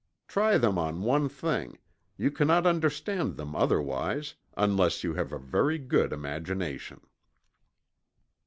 Try them on some one thing you cannot understand them otherwise, unless you have a very good imagination.